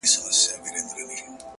د روغن یوه ښیښه یې کړله ماته،